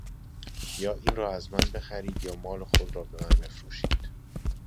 یا اینرا از من بخرید یا مال خودرا بمن فروشید